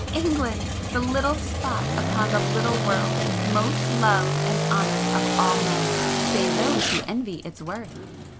England! The little spot upon the little world, most loved and honoured of all men, save those who envy its worth!